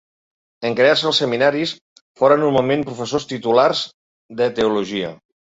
En crear-se els seminaris, foren normalment professors titulars de teologia.